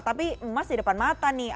tapi emas di depan mata nih